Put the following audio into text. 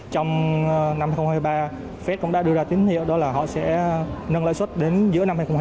trong năm hai nghìn hai mươi ba fed cũng đã đưa ra tín hiệu đó là họ sẽ nâng lãi suất đến giữa năm hai nghìn hai mươi ba